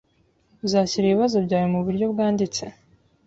Uzashyira ibibazo byawe muburyo bwanditse?